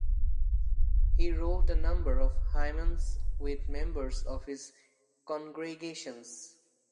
He wrote a number of hymns with members of his congregations.